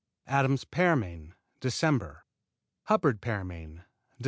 Adams' Pearmain Dec. Hubbard's Pearmain Dec.